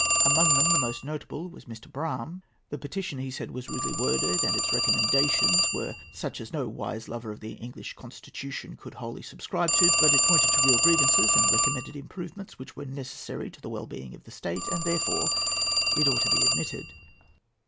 Among them the most notable was Mr. Brougham. The petition, he said, was rudely worded, and its recommendations were such as no wise lover of the English Constitution could wholly subscribe to; but it pointed to real grievances and recommended improvements which were necessary to the well being of the State, and therefore it ought to be admitted.